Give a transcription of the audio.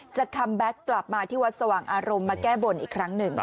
คัมแบ็คกลับมาที่วัดสว่างอารมณ์มาแก้บนอีกครั้งหนึ่ง